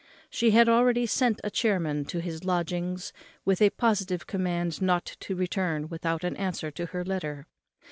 She had already sent a chairman to his lodgings with a positive command not to return without an answer to her letter.